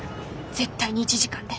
絶対に１時間で。